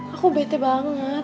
aku bete banget